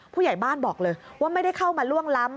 ผู้ใหญ่บ้านบอกเลยว่าไม่ได้เข้ามาล่วงล้ำ